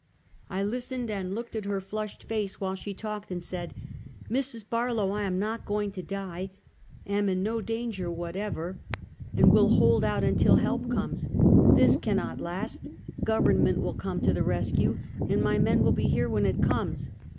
I listened and looked at her flushed face, while she talked, and said: " Mrs. Barlow, I am not going to die — am in no danger whatever, and will hold out until help comes. This cannot last; Government will come to the rescue, and my men will be here when it comes.